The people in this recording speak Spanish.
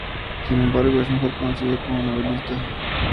Sin embargo, es mejor conocido como novelista.